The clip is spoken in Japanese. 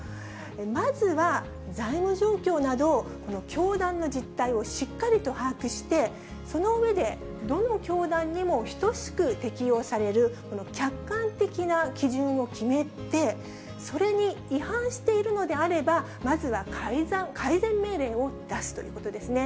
まずは財務状況など、この教団の実態をしっかりと把握して、その上で、どの教壇にも等しく適用される、この客観的な基準を決めて、それに違反しているのであれば、まずは改善命令を出すということですね。